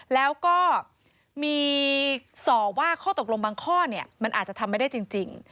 แล้วก็มีส่อว่าข้อตกลงบางข้อมันอาจจะทำไม่ได้จริง